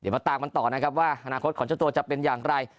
มาตามกันต่อนะครับว่าอนาคตของเจ้าตัวจะเป็นอย่างไร